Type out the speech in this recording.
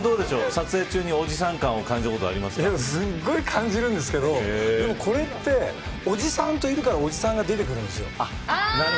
撮影中におじさん感をすごい感じるんですけどでもこれっておじさんといるからおじさんが出てくるんですよ。